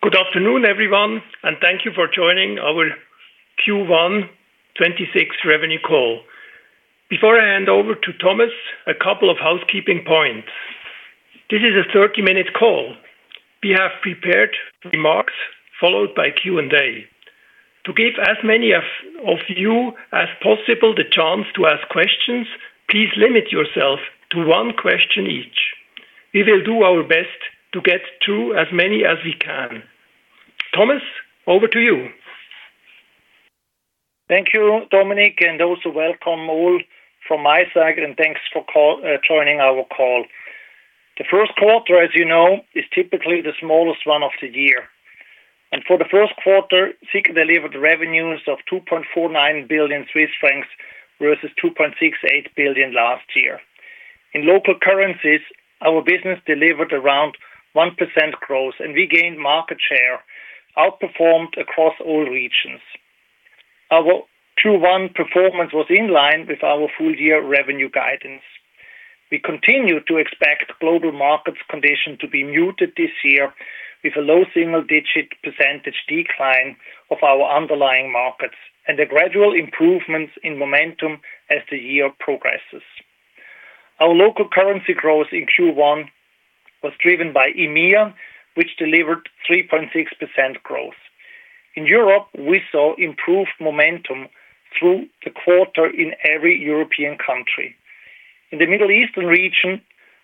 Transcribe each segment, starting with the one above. Good afternoon, everyone, and thank you for joining our Q1 2026 revenue call. Before I hand over to Thomas, a couple of housekeeping points. This is a 30-minute call. We have prepared remarks followed by Q&A. To give as many of you as possible the chance to ask questions, please limit yourself to one question each. We will do our best to get to as many as we can. Thomas, over to you. Thank you, Dominik. Also welcome all from my side, and thanks for joining our call. The first quarter, as you know, is typically the smallest one of the year. For the first quarter, Sika delivered revenues of 2.49 billion Swiss francs versus 2.68 billion last year. In local currencies, our business delivered around 1% growth, and we gained market share, outperformed across all regions. Our Q1 performance was in line with our full-year revenue guidance. We continue to expect global market conditions to be muted this year with a low single-digit percentage decline of our underlying markets and a gradual improvement in momentum as the year progresses. Our local currency growth in Q1 was driven by EMEA, which delivered 3.6% growth. In Europe, we saw improved momentum through the quarter in every European country. In the Middle Eastern region,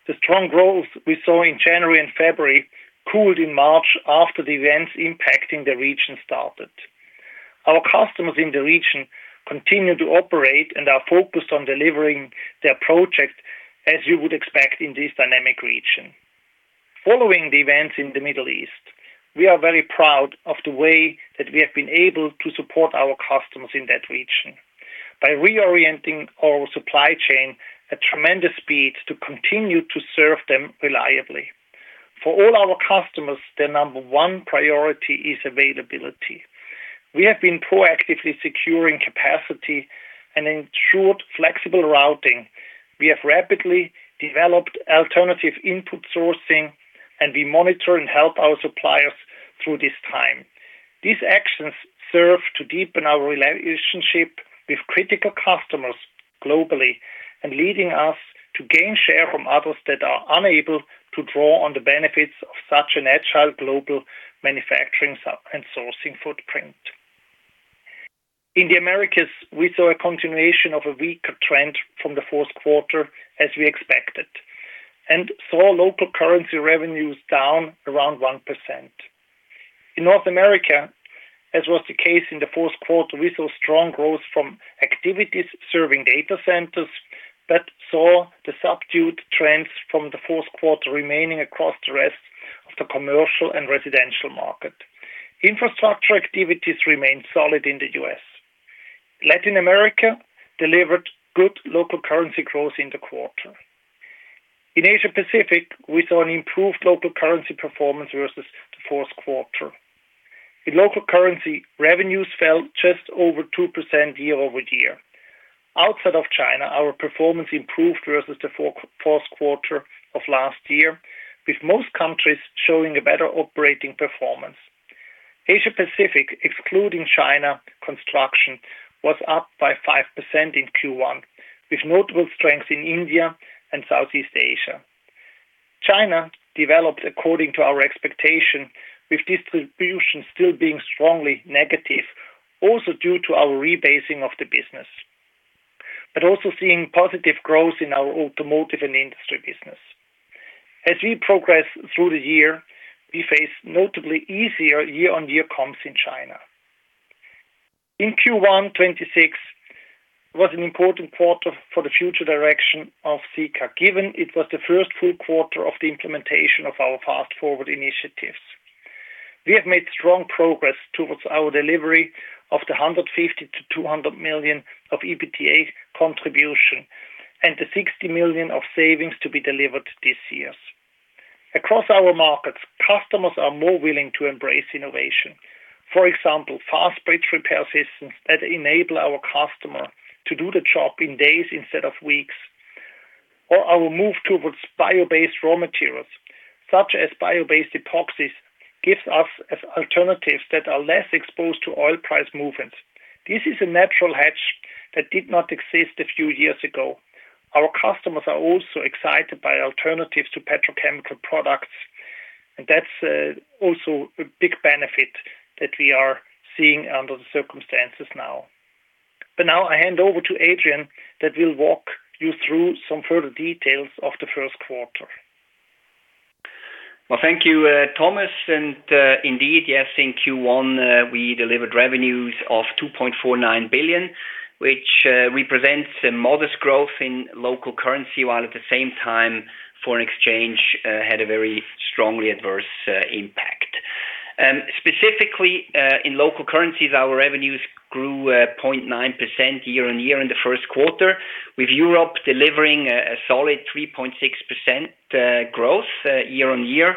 the strong growth we saw in January and February cooled in March after the events impacting the region started. Our customers in the region continue to operate and are focused on delivering their projects as you would expect in this dynamic region. Following the events in the Middle East, we are very proud of the way that we have been able to support our customers in that region by reorienting our supply chain at tremendous speed to continue to serve them reliably. For all our customers, the number one priority is availability. We have been proactively securing capacity and ensured flexible routing. We have rapidly developed alternative input sourcing, and we monitor and help our suppliers through this time. These actions serve to deepen our relationship with critical customers globally and leading us to gain share from others that are unable to draw on the benefits of such an agile global manufacturing and sourcing footprint. In the Americas, we saw a continuation of a weaker trend from the fourth quarter as we expected and saw local currency revenues down around 1%. In North America, as was the case in the fourth quarter, we saw strong growth from activities serving data centers but saw the subdued trends from the fourth quarter remaining across the rest of the commercial and residential market. Infrastructure activities remained solid in the U.S. Latin America delivered good local currency growth in the quarter. In Asia-Pacific, we saw an improved local currency performance versus the fourth quarter. In local currency, revenues fell just over 2% year-over-year. Outside of China, our performance improved versus the fourth quarter of last year, with most countries showing a better operating performance. Asia-Pacific, excluding China, Construction was up by 5% in Q1, with notable strength in India and Southeast Asia. China developed according to our expectation, with distribution still being strongly negative, also due to our rebasing of the business. But also seeing positive growth in our Automotive and Industry business. As we progress through the year, we face notably easier year-on-year comps in China. In Q1 2026 was an important quarter for the future direction of Sika, given it was the first full quarter of the implementation of our Fast Forward initiatives. We have made strong progress towards our delivery of the 150 million-200 million of EBITDA contribution and the 60 million of savings to be delivered this year. Across our markets, customers are more willing to embrace innovation. For example, fast bridge repair systems that enable our customer to do the job in days instead of weeks, or our move towards bio-based raw materials such as bio-based epoxies, gives us alternatives that are less exposed to oil price movements. This is a natural hedge that did not exist a few years ago. Our customers are also excited by alternatives to petrochemical products, and that's also a big benefit that we are seeing under the circumstances now. Now I hand over to Adrian, that will walk you through some further details of the first quarter. Well, thank you, Thomas. Indeed, yes, in Q1, we delivered revenues of 2.49 billion, which represents a modest growth in local currency, while at the same time foreign exchange had a very strongly adverse impact. Specifically, in local currencies, our revenues grew 0.9% year-over-year in the first quarter, with Europe delivering a solid 3.6% growth year-over-year.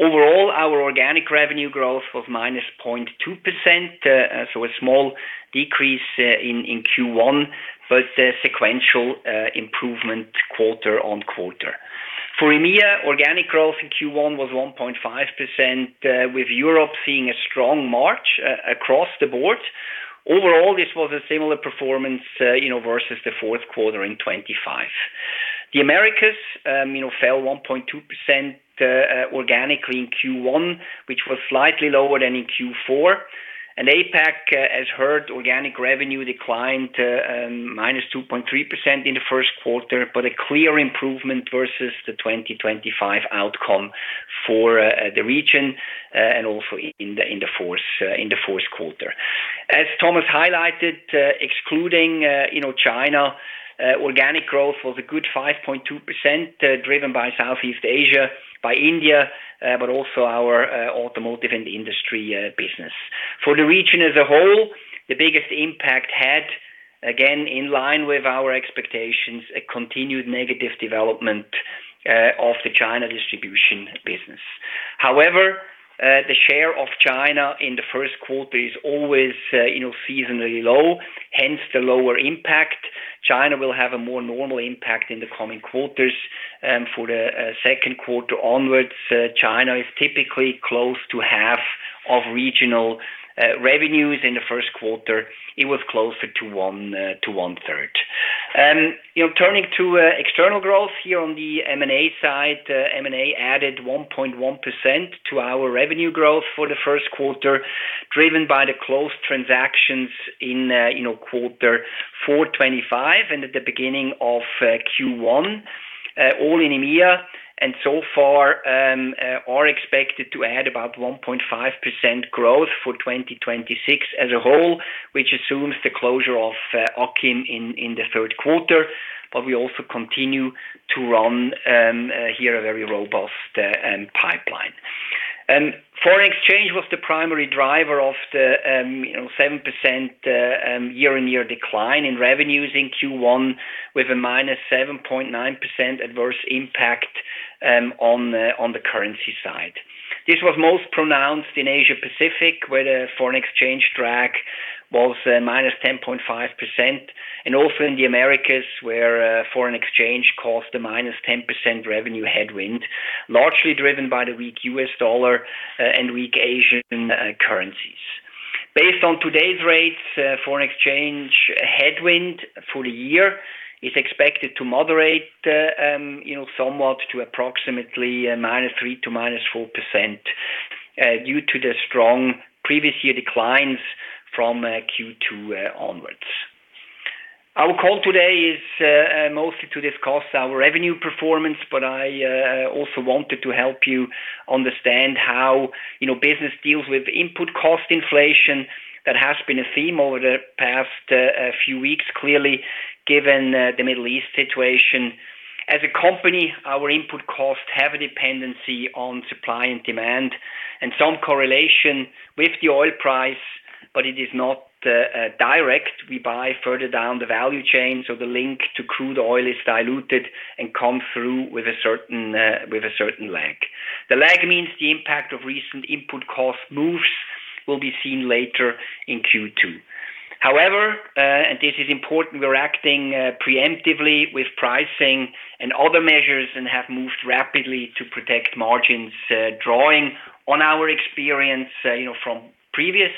Overall, our organic revenue growth was -0.2%, so a small decrease in Q1, but a sequential improvement quarter-on-quarter. For EMEA, organic growth in Q1 was 1.5%, with Europe seeing a strong March across the board. Overall, this was a similar performance versus the fourth quarter in 2025. The Americas fell 1.2% organically in Q1, which was slightly lower than in Q4. APAC, as heard, organic revenue declined to -2.3% in the first quarter, but a clear improvement versus the 2023 outcome for the region, and also in the fourth quarter. As Thomas highlighted, excluding China, organic growth was a good 5.2%, driven by Southeast Asia, by India, but also our Automotive and Industry business. For the region as a whole, the biggest impact had, again, in line with our expectations, a continued negative development of the China Distribution business. However, the share of China in the first quarter is always seasonally low, hence the lower impact. China will have a more normal impact in the coming quarters. For the second quarter onwards, China is typically close to half of regional revenues. In the first quarter, it was closer to 1/3. Turning to external growth here on the M&A side. M&A added 1.1% to our revenue growth for the first quarter, driven by the closed transactions in quarter four 2025 and at the beginning of Q1, all in EMEA. So far are expected to add about 1.5% growth for 2026 as a whole, which assumes the closure of Akkim in the third quarter. We also continue to run here a very robust pipeline. Foreign exchange was the primary driver of the 7% year-on-year decline in revenues in Q1, with a -7.9% adverse impact on the currency side. This was most pronounced in Asia-Pacific, where the foreign exchange drag was -10.5%, and also in the Americas, where foreign exchange caused a -10% revenue headwind, largely driven by the weak U.S. dollar and weak Asian currencies. Based on today's rates, foreign exchange headwind for the year is expected to moderate somewhat to approximately -3% to -4%, due to the strong previous year declines from Q2 onwards. Our call today is mostly to discuss our revenue performance, but I also wanted to help you understand how business deals with input cost inflation. That has been a theme over the past few weeks, clearly given the Middle East situation. As a company, our input costs have a dependency on supply and demand and some correlation with the oil price, but it is not direct. We buy further down the value chain, so the link to crude oil is diluted and comes through with a certain lag. The lag means the impact of recent input cost moves will be seen later in Q2. However, and this is important, we're acting preemptively with pricing and other measures and have moved rapidly to protect margins, drawing on our experience from previous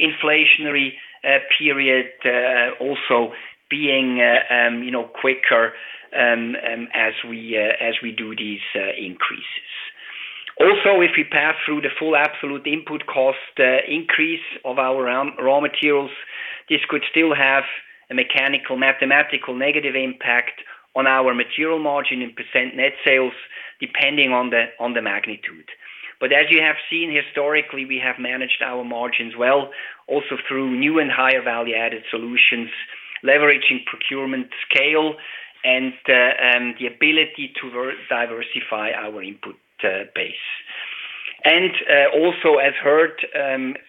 inflationary periods, also being quicker as we do these increases. Also, if we pass through the full absolute input cost increase of our raw materials, this could still have a mechanical, mathematical negative impact on our material margin in % net sales, depending on the magnitude. As you have seen historically, we have managed our margins well, also through new and higher value-added solutions, leveraging procurement scale and the ability to diversify our input base. As heard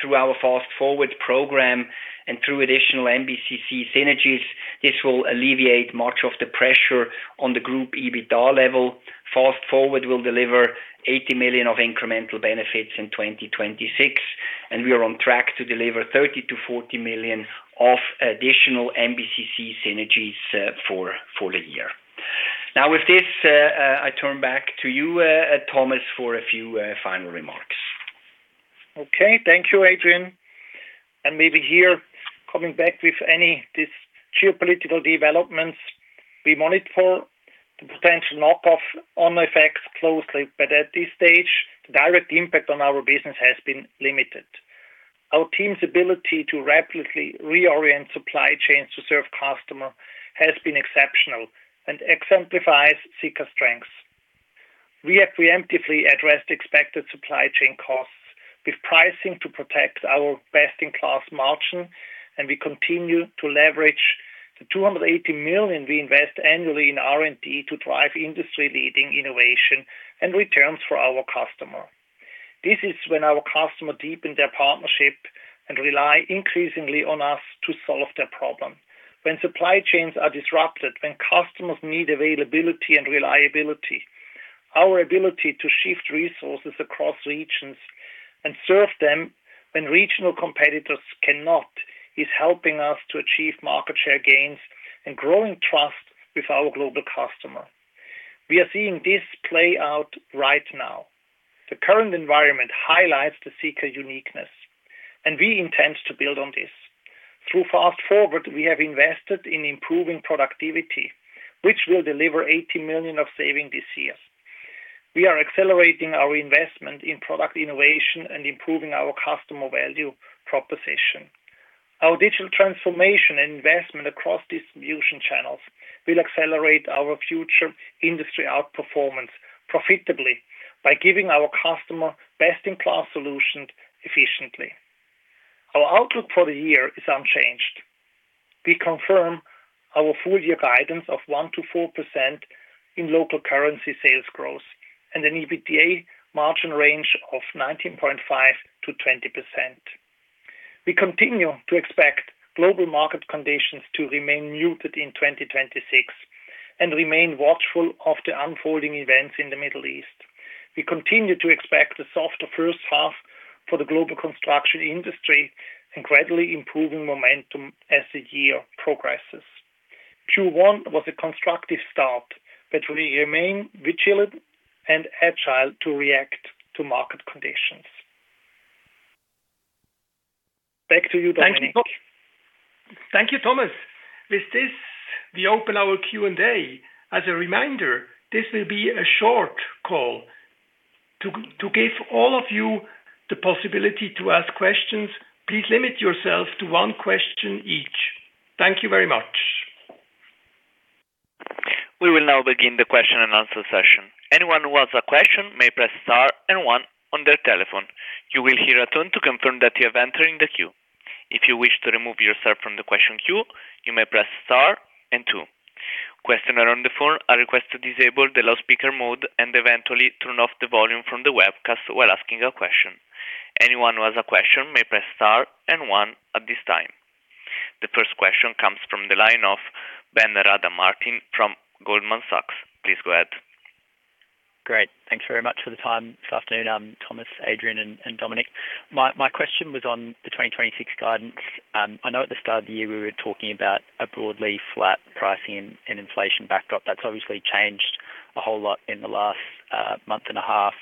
through our Fast Forward program and through additional MBCC synergies, this will alleviate much of the pressure on the Group EBITDA level. Fast Forward will deliver 80 million of incremental benefits in 2026, and we are on track to deliver 30 million-40 million of additional MBCC synergies for the year. Now with this, I turn back to you, Thomas, for a few final remarks. Okay. Thank you, Adrian. Maybe here, coming back with any of these geopolitical developments, we monitor the potential knock-on effects closely. At this stage, the direct impact on our business has been limited. Our team's ability to rapidly reorient supply chains to serve customer has been exceptional and exemplifies Sika's strengths. We have preemptively addressed expected supply chain costs with pricing to protect our best-in-class margin, and we continue to leverage the 280 million we invest annually in R&D to drive industry-leading innovation and returns for our customer. This is when our customer deepen their partnership and rely increasingly on us to solve their problem. When supply chains are disrupted, when customers need availability and reliability, our ability to shift resources across regions and serve them when regional competitors cannot is helping us to achieve market share gains and growing trust with our global customer. We are seeing this play out right now. The current environment highlights the Sika uniqueness, and we intend to build on this. Through Fast Forward, we have invested in improving productivity, which will deliver 80 million of saving this year. We are accelerating our investment in product innovation and improving our customer value proposition. Our digital transformation and investment across distribution channels will accelerate our future industry outperformance profitably, by giving our customer best-in-class solutions efficiently. Our outlook for the year is unchanged. We confirm our full-year guidance of 1%-4% in local currency sales growth, and an EBITDA margin range of 19.5%-20%. We continue to expect global market conditions to remain muted in 2026, and remain watchful of the unfolding events in the Middle East. We continue to expect a softer first half for the global construction industry, and gradually improving momentum as the year progresses. Q1 was a constructive start, but we remain vigilant and agile to react to market conditions. Back to you, Dominik. Thank you, Thomas. With this, we open our Q&A. As a reminder, this will be a short call. To give all of you the possibility to ask questions, please limit yourselves to one question each. Thank you very much. We will now begin the question-and-answer session. Anyone who has a question may press star and one on their telephone. You will hear a tone to confirm that you have entered in the queue. If you wish to remove yourself from the question queue, you may press star and two. Questioner on the phone, I request to disable the loudspeaker mode and eventually turn off the volume from the webcast while asking a question. Anyone who has a question may press star and one at this time. The first question comes from the line of Ben Rada Martin from Goldman Sachs. Please go ahead. Great. Thanks very much for the time this afternoon, Thomas, Adrian, and Dominik. My question was on the 2026 guidance. I know at the start of the year, we were talking about a broadly flat pricing and inflation backdrop. That's obviously changed a whole lot in the last month and a half.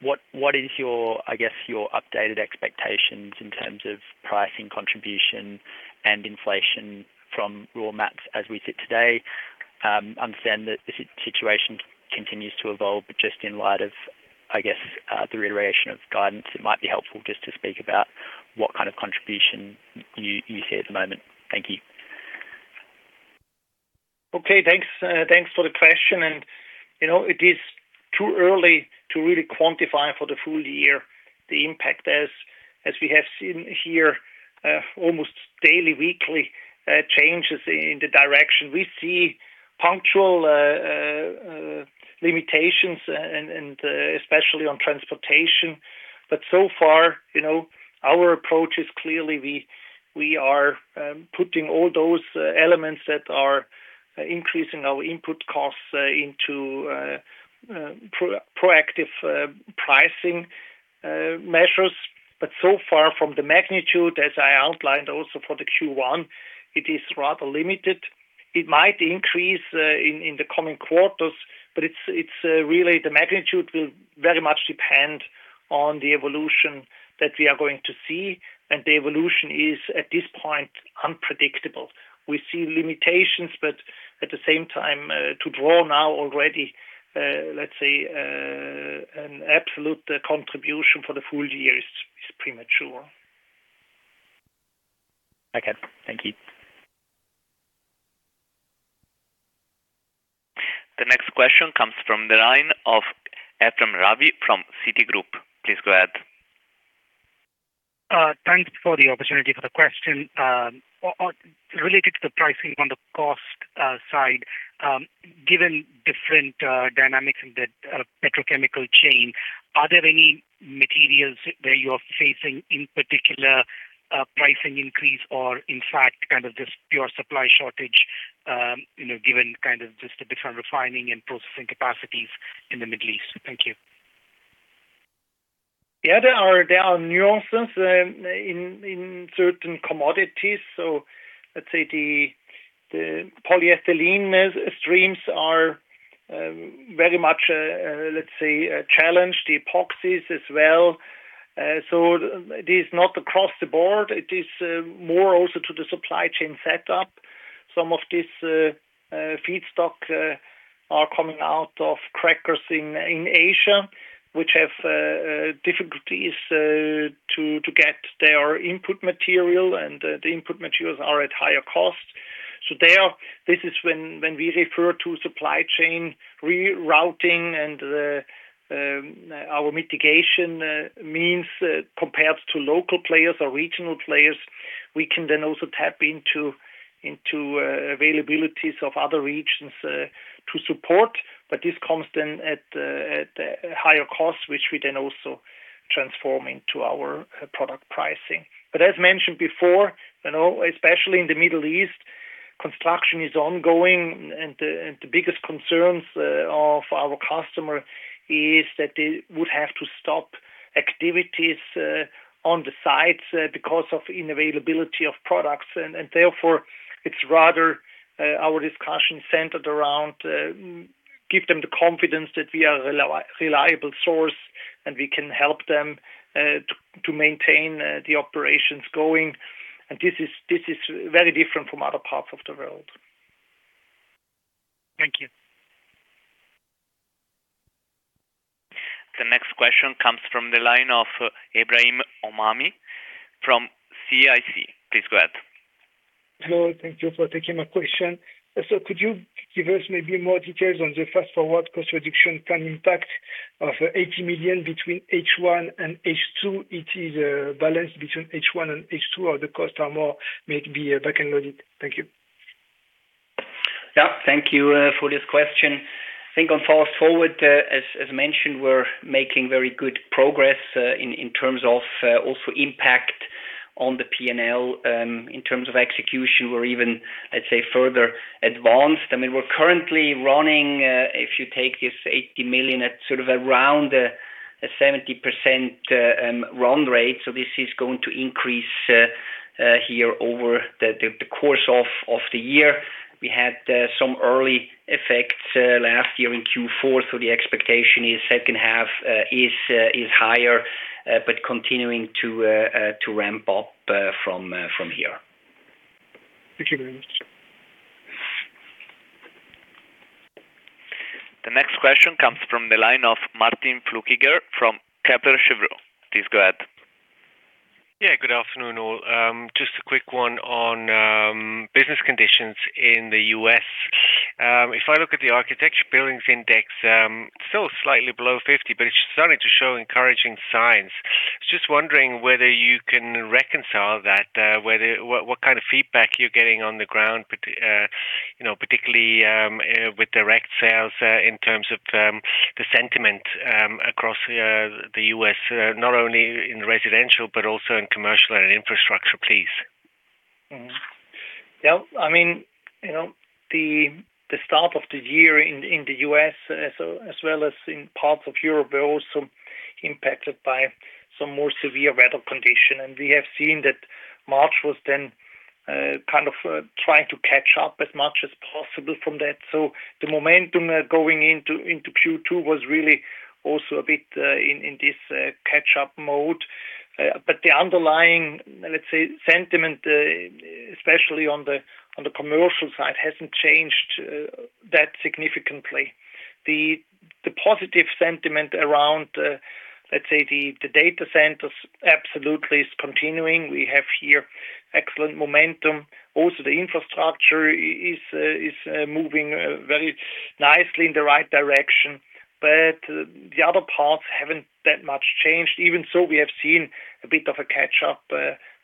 What is your updated expectations in terms of pricing contribution and inflation from raw mats as we sit today? I understand that the situation continues to evolve, but just in light of the reiteration of guidance, it might be helpful just to speak about what kind of contribution you see at the moment. Thank you. Okay. Thanks for the question. It is too early to really quantify for the full year the impact as we have seen here almost daily, weekly changes in the direction. We see punctual limitations and especially on Transportation. So far, our approach is clearly we are putting all those elements that are increasing our input costs into proactive pricing measures. So far from the magnitude, as I outlined also for the Q1, it is rather limited. It might increase in the coming quarters, but the magnitude will very much depend on the evolution that we are going to see, and the evolution is, at this point, unpredictable. We see limitations, but at the same time, to draw now already, let's say, an absolute contribution for the full year is premature. Okay. Thank you. The next question comes from the line of Ephrem Ravi from Citigroup. Please go ahead. Thanks for the opportunity for the question. Related to the pricing on the cost side, given different dynamics in the petrochemical chain, are there any materials where you're facing, in particular, a pricing increase or in fact, kind of just pure supply shortage, given kind of just the different refining and processing capacities in the Middle East? Thank you. Yeah. There are nuances in certain commodities. Let's say the polyethylene streams are very much, let's say, challenged, the epoxies as well. It is not across the board. It is more also to the supply chain setup. Some of these feedstock are coming out of crackers in Asia, which have difficulties to get their input material, and the input materials are at higher cost. There, this is when we refer to supply chain rerouting and our mitigation means compared to local players or regional players. We can then also tap into availabilities of other regions to support. This comes then at a higher cost, which we then also transform into our product pricing. As mentioned before, especially in the Middle East. Construction is ongoing, and the biggest concerns of our customer is that they would have to stop activities on the sites because of unavailability of products. Therefore, it's rather our discussion centered around give them the confidence that we are a reliable source, and we can help them to maintain the operations going. This is very different from other parts of the world. Thank you. The next question comes from the line of Ebrahim Homani from CIC. Please go ahead. Hello. Thank you for taking my question. Could you give us maybe more details on the Fast Forward cost reduction plan impact of 80 million between H1 and H2? It is a balance between H1 and H2, or the costs are more maybe back-end loaded? Thank you. Yeah. Thank you for this question. I think on Fast Forward, as mentioned, we're making very good progress in terms of also impact on the P&L. In terms of execution, we're even, let's say, further advanced. We're currently running, if you take this 80 million at sort of around a 70% run rate. This is going to increase here over the course of the year. We had some early effects last year in Q4. The expectation is second half is higher, but continuing to ramp up from here. Thank you very much. The next question comes from the line of Martin Flueckiger from Kepler Cheuvreux. Please go ahead. Yeah, good afternoon, all. Just a quick one on business conditions in the U.S. If I look at the Architecture Billings Index, still slightly below 50, but it's starting to show encouraging signs. I was just wondering whether you can reconcile that, what kind of feedback you're getting on the ground, particularly with direct sales in terms of the sentiment across the U.S., not only in residential, but also in commercial and infrastructure, please? Yeah. The start of the year in the U.S. as well as in parts of Europe were also impacted by some more severe weather conditions. We have seen that March was then kind of trying to catch up as much as possible from that. The momentum going into Q2 was really also a bit in this catch-up mode. The underlying, let's say, sentiment, especially on the commercial side, hasn't changed that significantly. The positive sentiment around, let's say, the data centers absolutely is continuing. We have here excellent momentum. Also, the infrastructure is moving very nicely in the right direction, but the other parts haven't that much changed. Even so, we have seen a bit of a catch-up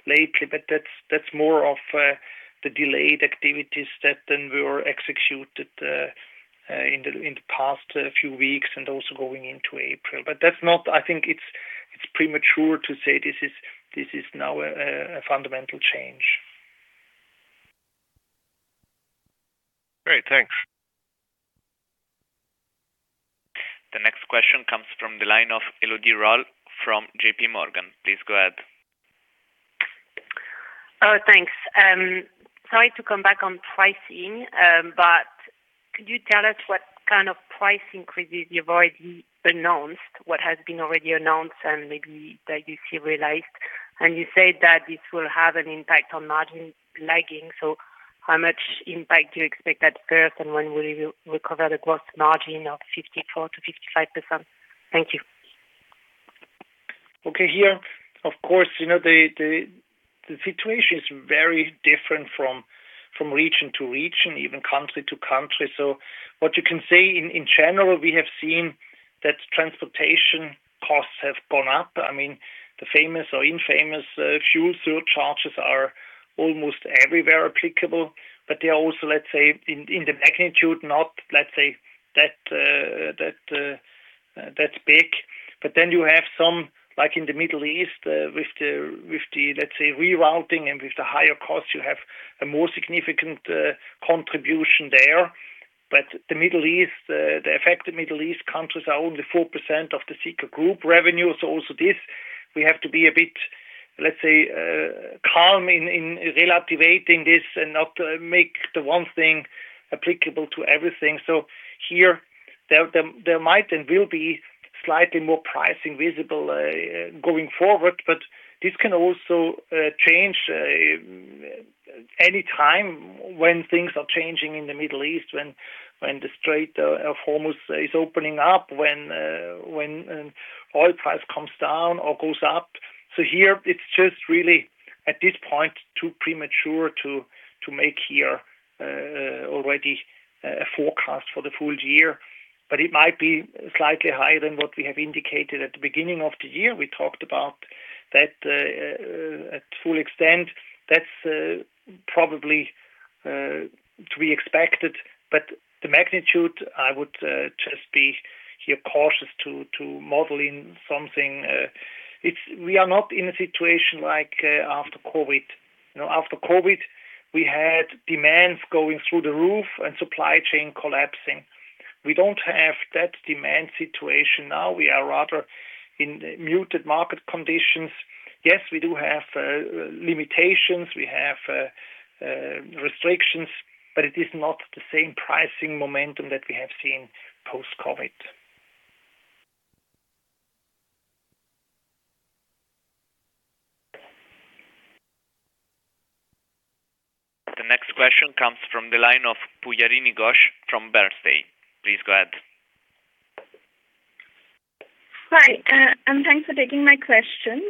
lately, but that's more of the delayed activities that then were executed in the past few weeks and also going into April. I think it's premature to say this is now a fundamental change. Great. Thanks. The next question comes from the line of Elodie Rall from JPMorgan. Please go ahead. Thanks. Sorry to come back on pricing. Could you tell us what kind of price increases you've already announced, what has been already announced, and maybe that you see realized? You said that this will have an impact on margin lagging. How much impact do you expect at first, and when will you recover the gross margin of 54%-55%? Thank you. Okay. Here, of course, the situation is very different from region-to-region, even country-to-country. What you can say in general, we have seen that transportation costs have gone up. The famous or infamous fuel surcharges are almost everywhere applicable, but they are also, let's say, in the magnitude, not, let's say that big. You have some, like in the Middle East, with the, let's say, rerouting and with the higher costs, you have a more significant contribution there. The affected Middle East countries are only 4% of the Sika Group revenue. Also this, we have to be a bit, let's say, calm in relativating this and not make the one thing applicable to everything. Here there might and will be slightly more pricing visible going forward, but this can also change any time when things are changing in the Middle East, when the Strait of Hormuz is opening up, when oil price comes down or goes up. Here it's just really at this point too premature to make here already a forecast for the full year. It might be slightly higher than what we have indicated at the beginning of the year. We talked about that at full extent. That's probably to be expected, but the magnitude, I would just be very cautious to model in something. We are not in a situation like after COVID. After COVID, we had demands going through the roof and supply chain collapsing. We don't have that demand situation now. We are rather in muted market conditions. Yes, we do have limitations. We have restrictions, but it is not the same pricing momentum that we have seen post-COVID. The next question comes from the line of Pujarini Ghosh from Bernstein. Please go ahead. Hi, thanks for taking my questions.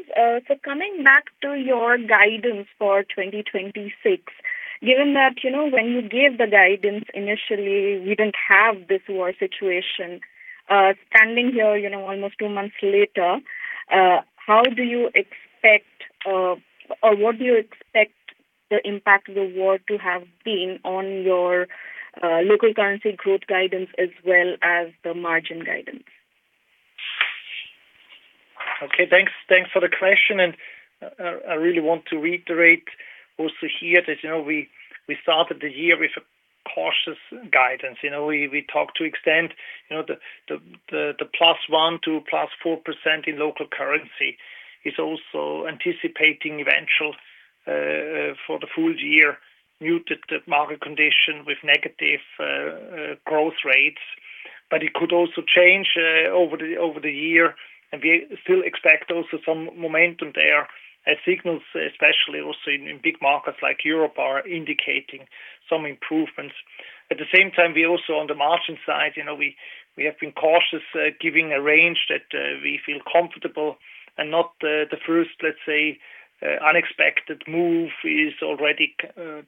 Coming back to your guidance for 2026, given that when you gave the guidance initially, we didn't have this war situation, standing here, almost two months later, what do you expect the impact of the war to have been on your local currency growth guidance as well as the margin guidance? Okay, thanks for the question, and I really want to reiterate also here that we started the year with a cautious guidance. We talked, to that extent, the +1% to +4% in local currency is also anticipating eventual, for the full year, muted market conditions with negative growth rates, but it could also change over the year, and we still expect also some momentum there as signals, especially also in big markets like Europe, are indicating some improvements. At the same time, we also, on the margin side, we have been cautious giving a range that we feel comfortable and not even the first, let's say, unexpected move is already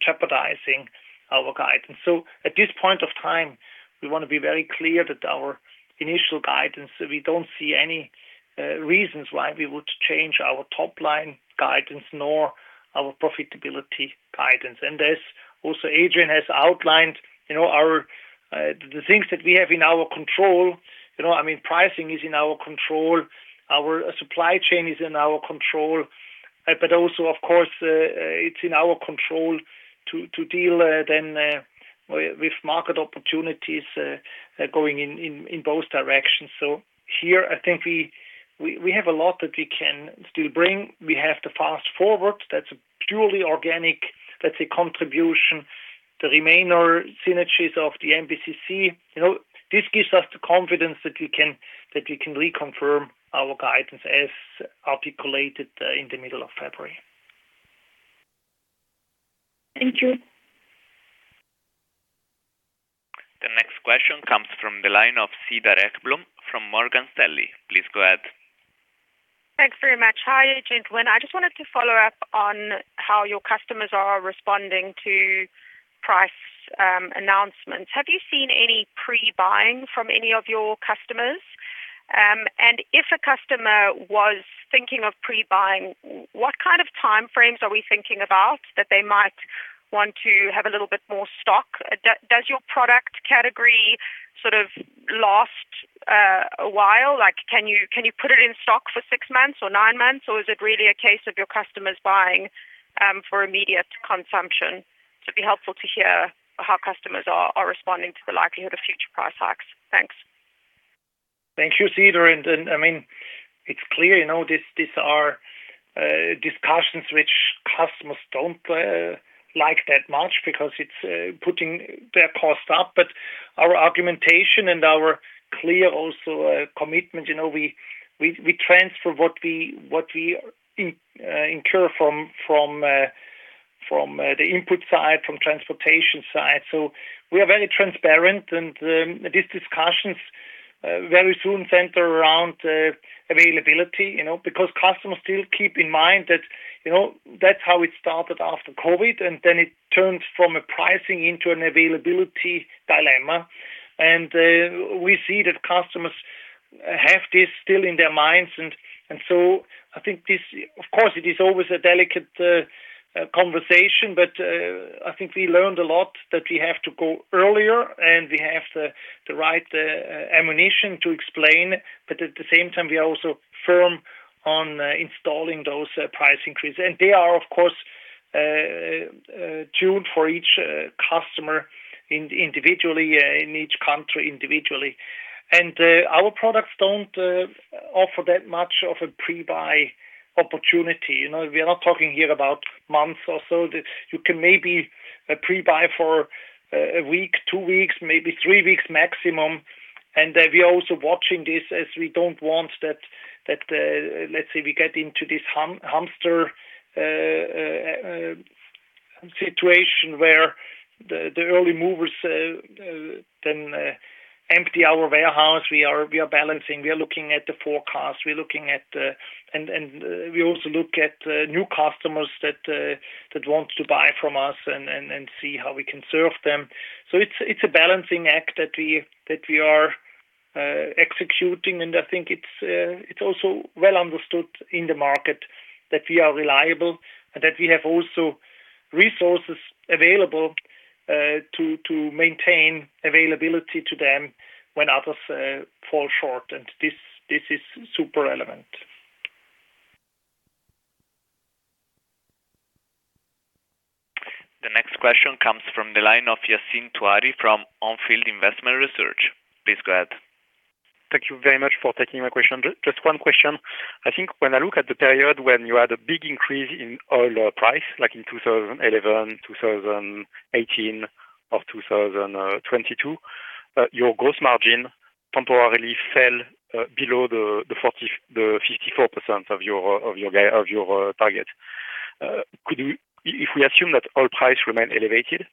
jeopardizing our guidance. At this point in time, we want to be very clear that our initial guidance, we don't see any reasons why we would change our top-line guidance nor our profitability guidance. As also Adrian has outlined, the things that we have in our control, I mean, pricing is in our control, our supply chain is in our control, but also, of course, it's in our control to deal then with market opportunities going in both directions. So here, I think we have a lot that we can still bring. We have the Fast Forward, that's a purely organic contribution. The remaining synergies of the MBCC. This gives us the confidence that we can reconfirm our guidance as articulated in the middle of February. Thank you. The next question comes from the line of Cedar Ekblom from Morgan Stanley. Please go ahead. Thanks very much. Hi, Adrian. I just wanted to follow up on how your customers are responding to price announcements. Have you seen any pre-buying from any of your customers? If a customer was thinking of pre-buying, what kind of time frames are we thinking about that they might want to have a little bit more stock? Does your product category sort of last a while? Can you put it in stock for six months or nine months, or is it really a case of your customers buying for immediate consumption? It'd be helpful to hear how customers are responding to the likelihood of future price hikes. Thanks. Thank you, Cedar, and it's clear, these are discussions which customers don't like that much because it's putting their cost up. Our argumentation and our clear also commitment, we transfer what we incur from the input side, from transportation side. We are very transparent, and these discussions very soon center around availability because customers still keep in mind that's how it started after COVID, and then it turns from a pricing into an availability dilemma. We see that customers have this still in their minds. I think this, of course, it is always a delicate conversation, but, I think we learned a lot that we have to go earlier, and we have the right ammunition to explain, but at the same time, we are also firm on installing those price increases. They are, of course, tuned for each customer individually, in each country individually. Our products don't offer that much of a pre-buy opportunity. We are not talking here about months or so. You can maybe pre-buy for a week, two weeks, maybe three weeks maximum. We are also watching this as we don't want that, let's say we get into this hamster situation where the early movers then empty our warehouse. We are balancing, we are looking at the forecast. We also look at new customers that want to buy from us and see how we can serve them. It's a balancing act that we are executing, and I think it's also well understood in the market that we are reliable and that we have also resources available. To maintain availability to them when others fall short. This is super relevant. The next question comes from the line of Yassine Touahri from On Field Investment Research. Please go ahead. Thank you very much for taking my question. Just one question. I think when I look at the period when you had a big increase in oil price, like in 2011, 2018 or 2022, your gross margin temporarily fell below the 54% of your target. If we assume that oil price remain elevated,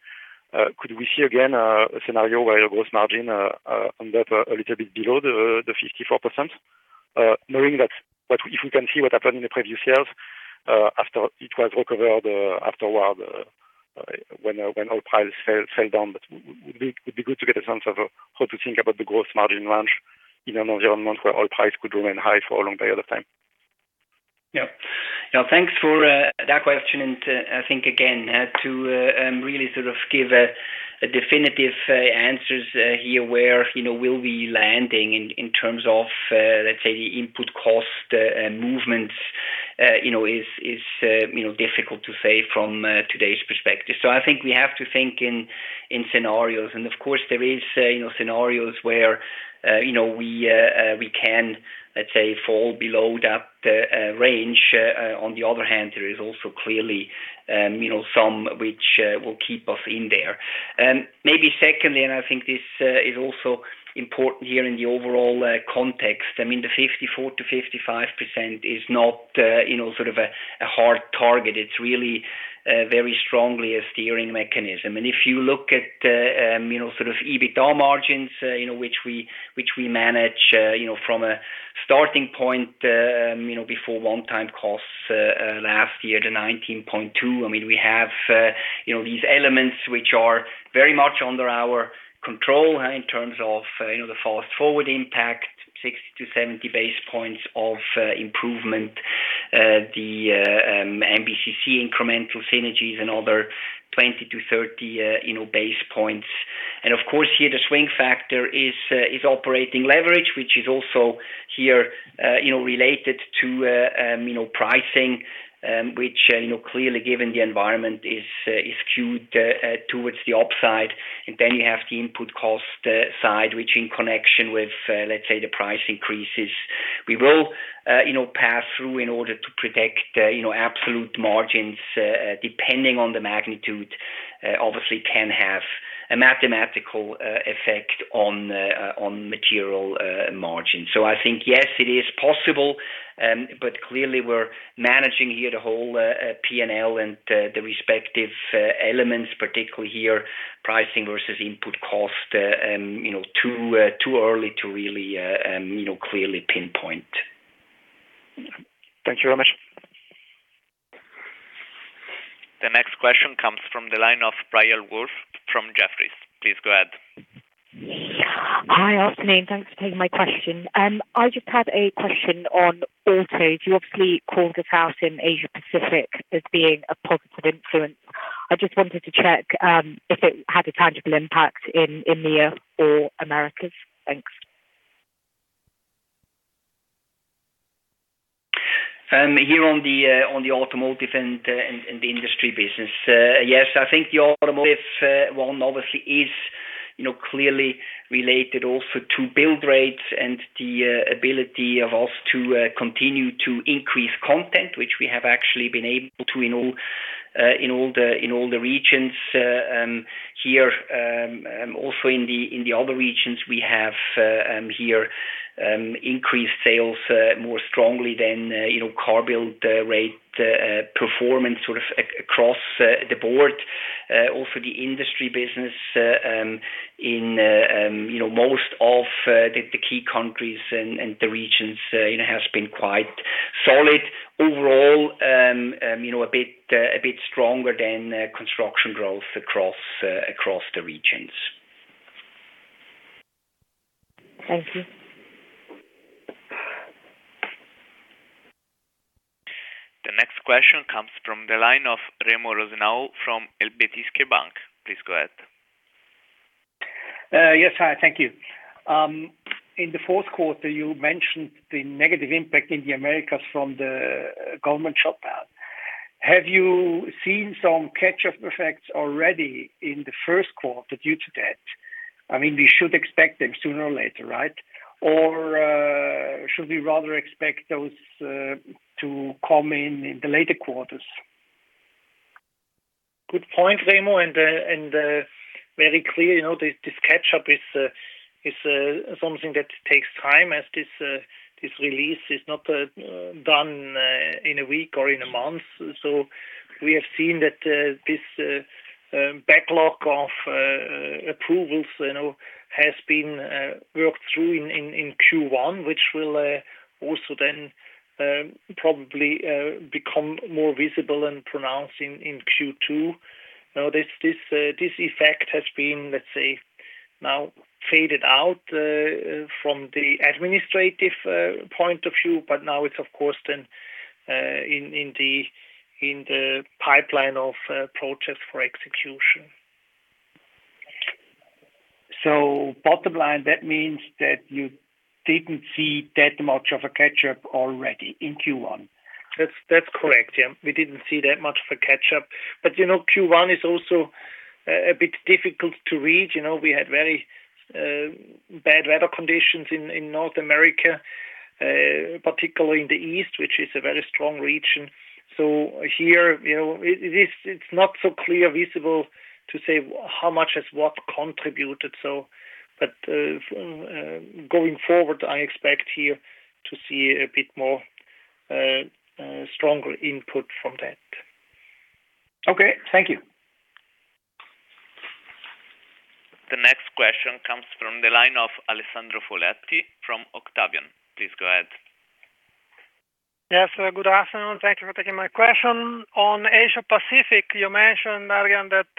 could we see again a scenario where your gross margin end up a little bit below the 54%? Knowing that if we can see what happened in the previous years, after it was recovered afterward, when oil prices fell down. It would be good to get a sense of how to think about the gross margin range in an environment where oil price could remain high for a long period of time. Yeah. Thanks for that question. I think again, to really sort of give a definitive answer as to where we'll be landing in terms of, let's say, the input cost movements is difficult to say from today's perspective. I think we have to think in scenarios, and of course there is scenarios where we can, let's say, fall below that range. On the other hand, there is also clearly some which will keep us in there. Maybe secondly, I think this is also important here in the overall context. I mean, the 54%-55% is not sort of a hard target. It's really very strongly a steering mechanism. If you look at sort of EBITDA margins which we manage from a starting point before one-time costs last year to 19.2%. We have these elements which are very much under our control in terms of the Fast Forward impact, 60basi points-70 basis points of improvement, the MBCC incremental synergies, another 20 basis points-30 basis points. Of course here the swing factor is operating leverage, which is also here related to pricing, which, clearly given the environment is skewed towards the upside. You have the input cost side, which in connection with, let's say, the price increases, we will pass through in order to protect absolute margins, depending on the magnitude, obviously can have a mathematical effect on material margins. I think, yes, it is possible, but clearly we're managing here the whole P&L and the respective elements, particularly here, pricing versus input cost, too early to really clearly pinpoint. Thank you very much. The next question comes from the line of Priyal Woolf from Jefferies. Please go ahead. Hi, afternoon. Thanks for taking my question. I just had a question on Auto. You obviously called this out in Asia-Pacific as being a positive influence. I just wanted to check if it had a tangible impact in EMEA or Americas. Thanks. Here on the Automotive and the Industry business. Yes, I think the Automotive one obviously is clearly related also to build rates and the ability of us to continue to increase content, which we have actually been able to in all the regions. Here, also in the other regions, we have here increased sales more strongly than car build rate performance sort of across the board. Also the Industry business in most of the key countries and the regions has been quite solid overall a bit stronger than construction growth across the regions. Thank you. The next question comes from the line of Remo Rosenau from Helvetische Bank. Please go ahead. Yes. Hi. Thank you. In the fourth quarter, you mentioned the negative impact in the Americas from the government shutdown. Have you seen some catch-up effects already in the first quarter due to that? We should expect them sooner or later, right? Or should we rather expect those to come in in the later quarters? Good point, Remo, and very clear. This catch up is something that takes time as this release is not done in a week or in a month. We have seen that this backlog of approvals has been worked through in Q1, which will also then probably become more visible and pronounced in Q2. This effect has been, let's say, phased out from the administrative point of view, but now it's of course, then in the pipeline of projects for execution. Bottom line, that means that you didn't see that much of a catch-up already in Q1? That's correct, yeah. We didn't see that much of a catch-up. Q1 is also a bit difficult to read. We had very bad weather conditions in North America, particularly in the East, which is a very strong region. Here, it's not so clearly visible to say how much of what has contributed. Going forward, I expect here to see a bit stronger input from that. Okay, thank you. The next question comes from the line of Alessandro Foletti from Octavian. Please go ahead. Yes, good afternoon. Thank you for taking my question. On Asia-Pacific, you mentioned, Adrian, that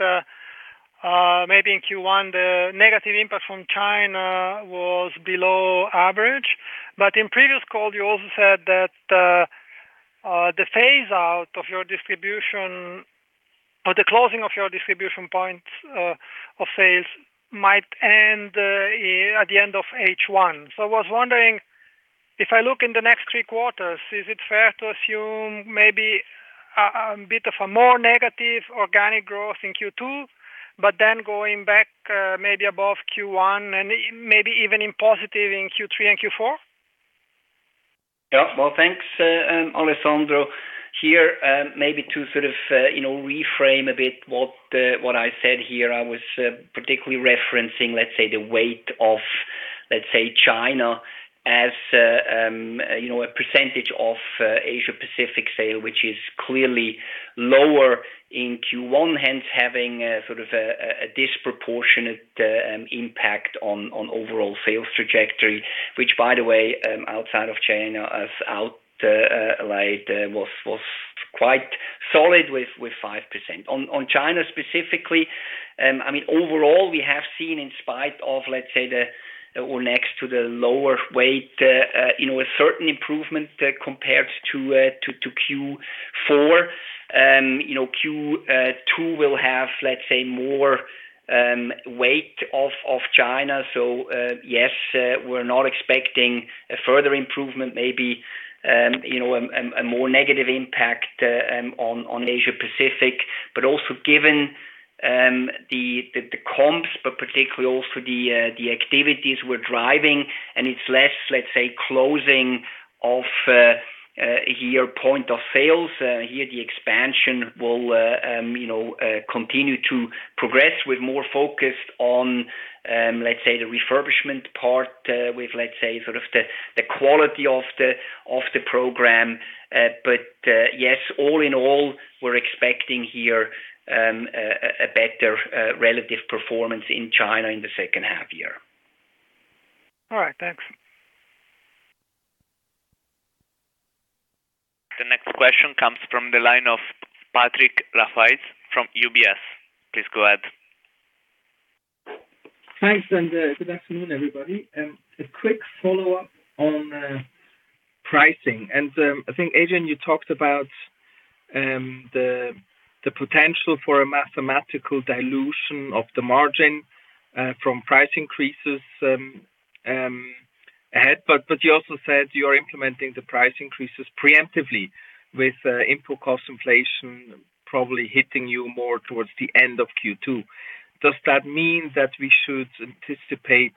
maybe in Q1, the negative impact from China was below average. In previous call, you also said that the closing of your distribution points of sale might end at the end of H1. I was wondering, if I look in the next three quarters, is it fair to assume maybe a bit of a more negative organic growth in Q2, but then going back maybe above Q1 and maybe even in positive in Q3 and Q4? Yeah. Well, thanks, Alessandro. Here, maybe to sort of reframe a bit what I said here, I was particularly referencing, let's say, the weight of, let's say, China as a percentage of Asia-Pacific sales, which is clearly lower in Q1, hence having a sort of a disproportionate impact on overall sales trajectory, which by the way, outside of China, as outlined was quite solid with 5%. On China specifically, overall, we have seen in spite of, let's say, or next to the lower weight, a certain improvement compared to Q4. Q2 will have, let's say, more weight of China. Yes, we're not expecting a further improvement, maybe, a more negative impact on Asia-Pacific. But also given the comps, but particularly also the activities we're driving, and it's less, let's say, closing of year point of sales. Here, the expansion will continue to progress with more focus on, let's say, the refurbishment part with, let's say, sort of the quality of the program. Yes, all in all, we're expecting here a better relative performance in China in the second half year. All right. Thanks. The next question comes from the line of Patrick Rafaisz from UBS. Please go ahead. Thanks, and good afternoon, everybody. A quick follow-up on pricing. I think, Adrian, you talked about the potential for a mathematical dilution of the margin from price increases ahead, but you also said you are implementing the price increases preemptively with input cost inflation probably hitting you more towards the end of Q2. Does that mean that we should anticipate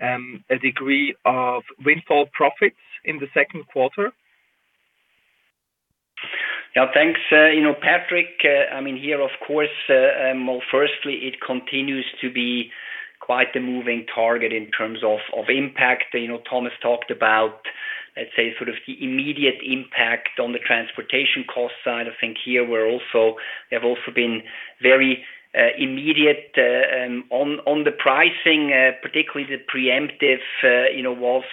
a degree of windfall profits in the second quarter? Yeah, thanks. Patrick here, of course. Well, firstly, it continues to be quite a moving target in terms of impact. Thomas talked about, let's say, sort of the immediate impact on the transportation cost side. I think here we have also been very immediate on the pricing, particularly the preemptive was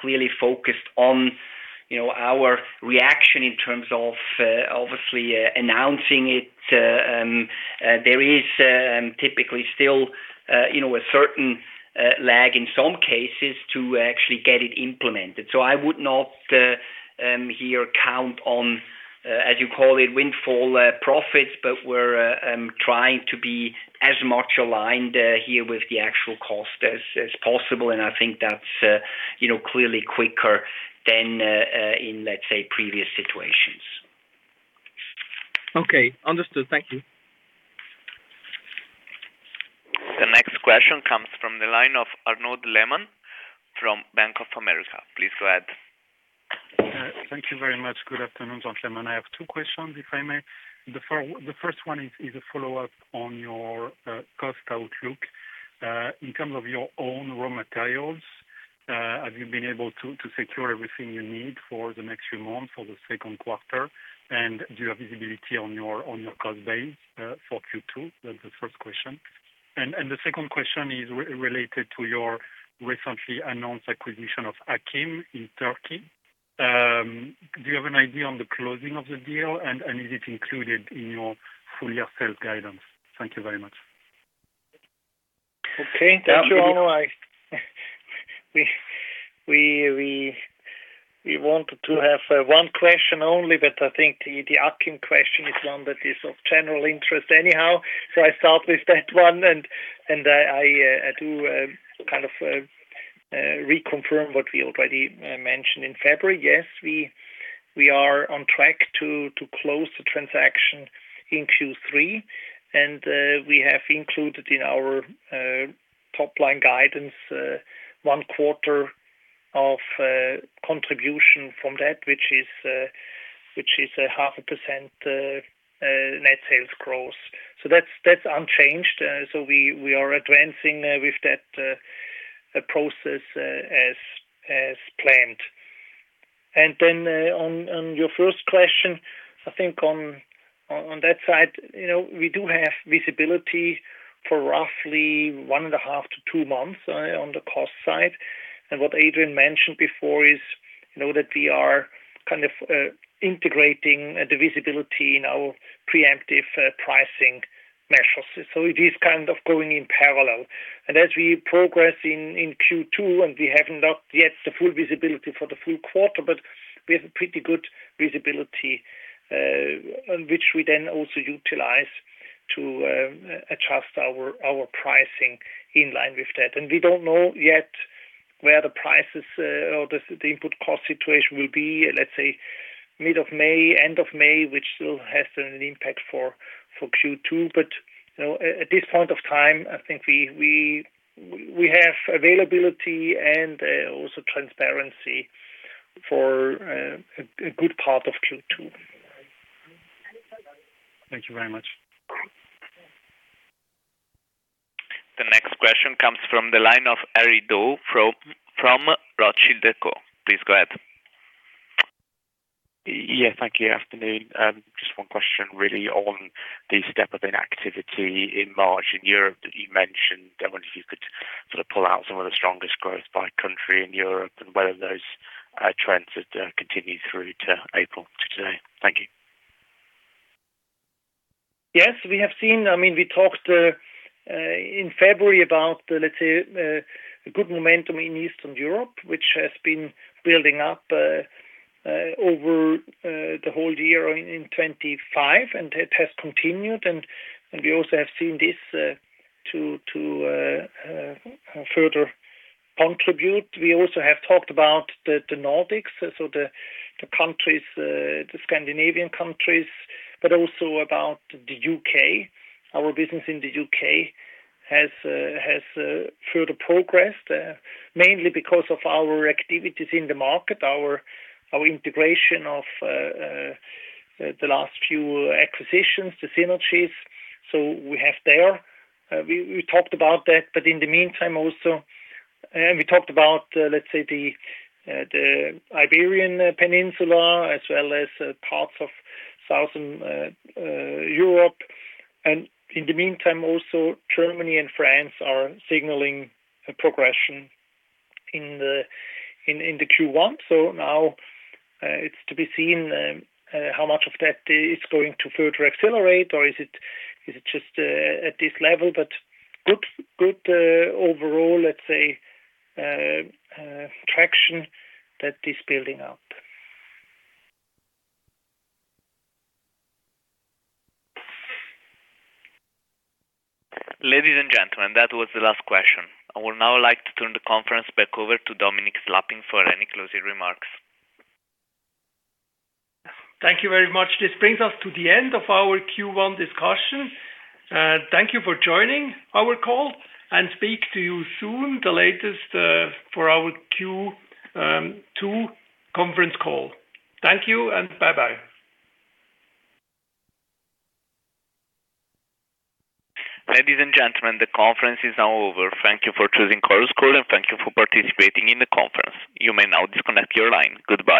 clearly focused on our reaction in terms of obviously announcing it. There is typically still a certain lag in some cases to actually get it implemented. I would not here count on, as you call it, windfall profits, but we're trying to be as much aligned here with the actual cost as possible, and I think that's clearly quicker than in, let's say, previous situations. Okay, understood. Thank you. The next question comes from the line of Arnaud Lehmann from Bank of America. Please go ahead. Thank you very much. Good afternoon. Arnaud Lehmann. I have two questions, if I may. The first one is a follow-up on your cost outlook. In terms of your own raw materials, have you been able to secure everything you need for the next few months, for the second quarter? Do you have visibility on your cost base for Q2? That's the first question. The second question is related to your recently announced acquisition of Akkim in Turkey. Do you have an idea on the closing of the deal, and is it included in your full-year sales guidance? Thank you very much. Thank you. We wanted to have one question only, but I think the Akkim question is one that is of general interest anyhow, so I start with that one, and I do kind of reconfirm what we already mentioned in February. Yes, we are on track to close the transaction in Q3, and we have included in our top-line guidance one quarter of contribution from that, which is 0.5% net sales growth. That's unchanged. We are advancing with that process as planned. On your first question, I think on that side, we do have visibility for roughly one and a half to two months on the cost side. What Adrian mentioned before is that we are kind of integrating the visibility in our preemptive pricing measures. It is kind of going in parallel. As we progress in Q2, and we have not yet the full visibility for the full quarter, but we have pretty good visibility, which we then also utilize to adjust our pricing in line with that. We don't know yet where the prices or the input cost situation will be, let's say, mid of May, end of May, which still has an impact for Q2. At this point of time, I think we have availability and also transparency for a good part of Q2. Thank you very much. The next question comes from the line of Harry Dow from Rothschild & Co. Please go ahead. Yeah, thank you. Good afternoon. Just one question really on the step-up in activity in March in Europe that you mentioned, I wonder if you could sort of pull out some of the strongest growth by country in Europe and whether those trends have continued through to April to today? Thank you. Yes, we have seen. We talked in February about, let's say, a good momentum in Eastern Europe, which has been building up over the whole year in 2025, and it has continued, and we also have seen this to further contribute. We also have talked about the Nordics, so the Scandinavian countries, but also about the U.K. Our business in the U.K. has further progressed, mainly because of our activities in the market, our integration of the last few acquisitions, the synergies we have there. We talked about that, but in the meantime also, we talked about, let's say, the Iberian Peninsula, as well as parts of Southern Europe. In the meantime, also Germany and France are signaling a progression in the Q1. Now it's to be seen how much of that is going to further accelerate or is it just at this level, but good overall, let's say, traction that is building out. Ladies and gentlemen, that was the last question. I would now like to turn the conference back over to Dominik Slappnig for any closing remarks. Thank you very much. This brings us to the end of our Q1 discussion. Thank you for joining our call and speak to you soon, the latest for our Q2 conference call. Thank you, and bye-bye. Ladies and gentlemen, the conference is now over. Thank you for choosing Chorus Call, and thank you for participating in the conference. You may now disconnect your line. Goodbye.